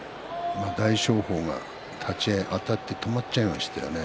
大翔鵬が立ち合いあたって止まっちゃいましたね。